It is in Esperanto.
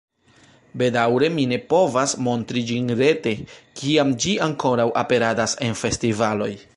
Bedaŭre mi ne povas montri ĝin rete, kiam ĝi ankoraŭ aperadas en festivaloj.